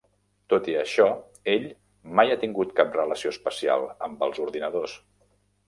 Tot i això, ell mai ha tingut cap relació especial amb els ordinadors.